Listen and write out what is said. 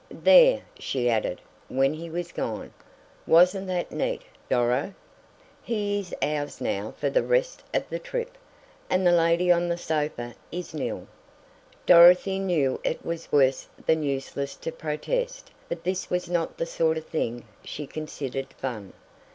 "There," she added, when he was gone, "wasn't that neat, Doro? He is ours now for the rest of the trip, and the lady on the sofa is nil." Dorothy knew it was worse than useless to protest, but this was not the sort of thing she considered fun.